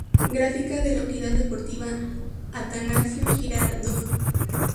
Gráfica de la Unidad deportiva Atanasio Girardot